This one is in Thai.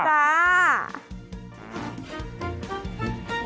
จ้า